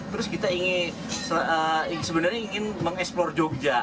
terus kita ingin sebenarnya ingin mengeksplor jogja